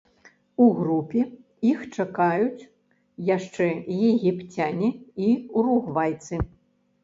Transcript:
У групе іх чакаюць яшчэ егіпцяне і уругвайцы.